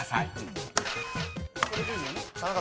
これでいいよね。